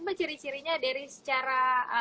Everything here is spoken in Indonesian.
mbak ciri cirinya dari secara